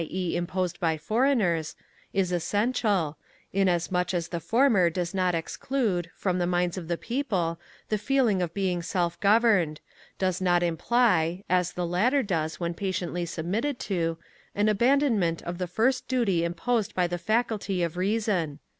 e. imposed by foreigners] is essential; inasmuch as the former does not exclude, from the minds of the people, the feeling of being self governed; does not imply (as the latter does, when patiently submitted to) an abandonment of the first duty imposed by the faculty of reason.